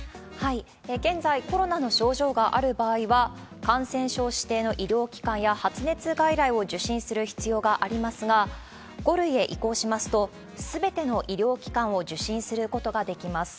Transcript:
現在、コロナの症状がある場合は、感染症指定の医療機関や発熱外来を受診する必要がありますが、５類へ移行しますと、すべての医療機関を受診することができます。